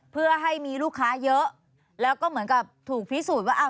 เพื่อให้มีลูกค้าเยอะแล้วก็เหมือนกับถูกพิสูจน์ว่าอ้าว